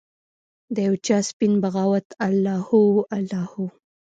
د یوچا سپین بغاوته الله هو، الله هو